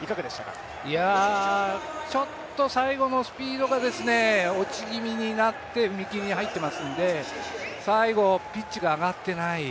ちょっと最後のスピードが落ち気味になって踏み切りに入っていますので最後、ピッチが上がってない。